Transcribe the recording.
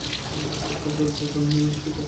টাকার দরকার নেই নাকী তোর?